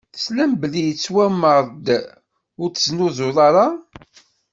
Teslam belli yettwameṛ-d: Ur tzennuḍ ara!